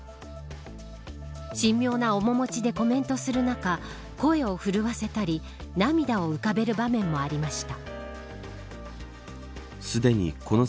神妙な面もちでコメントする中声を震わせたり涙を浮かべる場面もありました。